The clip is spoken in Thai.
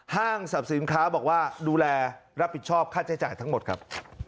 ห้างสรรพสินค้าบอกว่าดูแลรับผิดชอบค่าใช้จ่ายทั้งหมดครับ